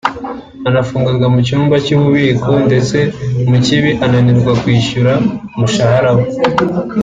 agafungirwa mu cyumba cy’ububiko ndetse Mukibi anananirwa kumwishyura umushahara we”